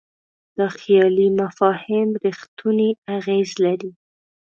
دا خیالي مفاهیم رښتونی اغېز لري.